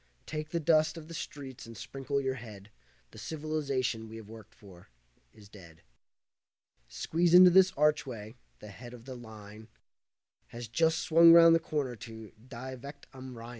Take the dust of the streets and sprinkle your head, The civilization we've worked for is dead. Squeeze into this archway, the head of the line Has just swung round the corner to 'Die Wacht am Rhein'.